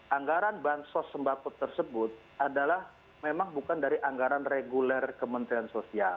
anggaran bansos sembako tersebut adalah memang bukan dari anggaran reguler kementerian sosial